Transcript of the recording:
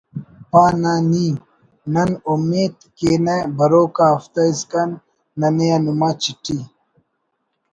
پا…… نہ نی …… نن اومیت کینہ بروک آ ہفتہ اسکان ننے آ نما چٹھی